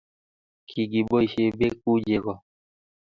Kigiboishe beek gu chego